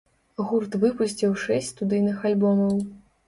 Гурт выпусціў шэсць студыйных альбомаў.